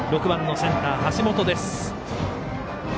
６番のセンター、橋本です。